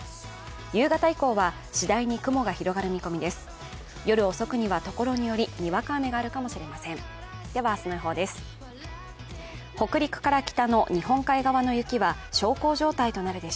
夕方以降は次第に雲が広がる見込みです。